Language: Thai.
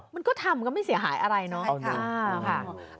มันก็ทำก็ไม่เสียหายอะไรเนาะ